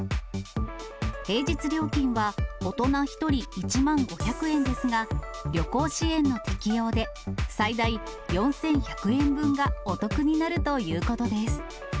平日料金は、大人１人１万５００円ですが、旅行支援の適用で、最大４１００円分がお得になるということです。